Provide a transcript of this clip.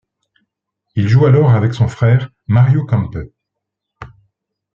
Il joue alors avec son frère Mario Kempe.